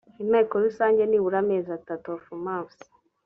inteko rusange nibura amezi atatu of months